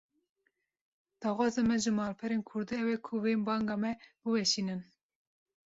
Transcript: Daxwaza min ji malperên Kurdî ew e ku vê banga me biweşînin